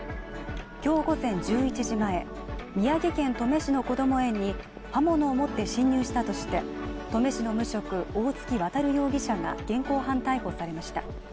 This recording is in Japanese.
今日午前１１時前、宮城県登米市のこども園に刃物を持って侵入したとして、登米市の無職大槻渉容疑者が現行犯逮捕されました。